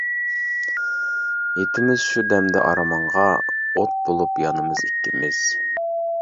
يېتىمىز شۇ دەمدە ئارمانغا، ئوت بولۇپ يانىمىز ئىككىمىز.